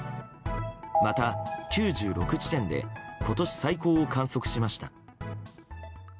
また９６地点で今年最高を観測しました。